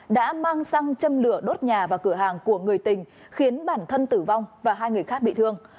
đã mang xăng châm lửa đốt nhà vào cửa hàng của người tình khiến bản thân tử vong và hai người khác bị thương